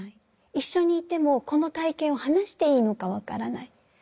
一緒にいてもこの体験を話していいのか分からない。